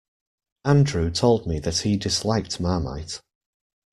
Andrew told me that he disliked Marmite.